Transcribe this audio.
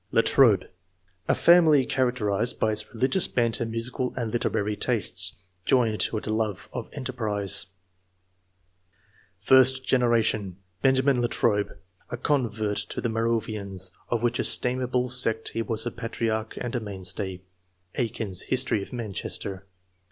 Latrobe. — A family characterzied by its re ligious bent and musical and literary tastes, joined to a love of enterprise. First generation, — Benjamin Latrobe, a con I.] ANTECEDENTS. 55 vert to the Moravians, of which estimable, sect he was a patriarch and a mainstay (Aikin's "History of Manchester'').